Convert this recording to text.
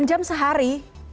delapan jam sehari